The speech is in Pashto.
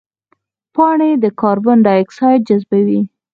پاڼې د کاربن ډای اکساید جذبوي